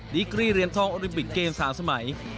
ดีกรีเรียนทองโอลิบิตเกมส์สามสมัย